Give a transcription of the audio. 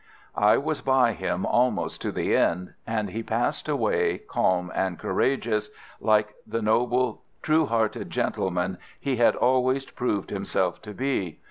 I was by him almost to the end, and he passed away calm and courageous, like the noble, true hearted gentleman he had always proved himself to be.